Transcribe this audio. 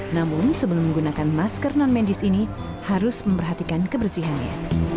namun sebelum menggunakan masker non medis ini harus memperhatikan kebersihannya